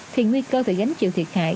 thì nguy cơ phải gánh chịu thiệt hại